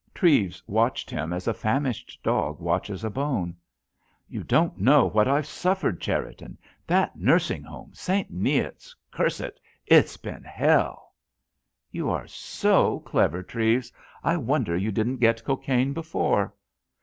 Treves watched him as a famished dog watches a bone. "You don't know what I've suffered, Cherriton—that nursing home, St. Neot's, curse it—it's been hell!" "You are so clever, Treves, I wonder you didn't get cocaine before?"